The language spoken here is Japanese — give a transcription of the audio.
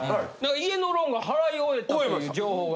家のローンが払い終えたという情報が。